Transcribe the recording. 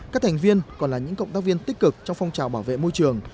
các thành viên còn là những cộng tác viên tích cực trong phong trào bảo vệ môi trường